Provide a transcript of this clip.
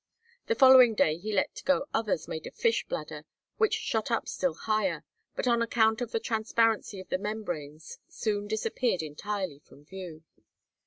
The following day he let go others made of fish bladder, which shot up still higher, but on account of the transparency of the membranes soon disappeared entirely from view.